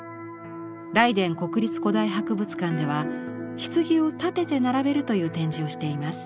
ライデン国立古代博物館では棺を立てて並べるという展示をしています。